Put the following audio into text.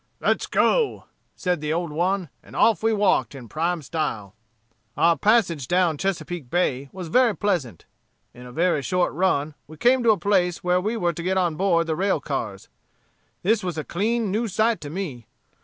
'Let go!' said the old one, and off we walked in prime style. "Our passage down Chesapeake Bay was very pleasant. In a very short run we came to a place where we were to get on board the rail cars. This was a clean new sight to me.